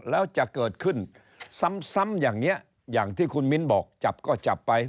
แล้วจะเกิดขึ้นซ้ำอย่างนี้อย่างที่คุณมิ้นบอกจับก็จับไป